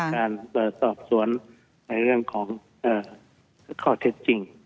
การสอบสวนในเรื่องของข้อเท็จจริง